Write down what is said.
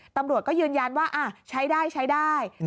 ตำรวจก็ยืนยันว่าใช้ได้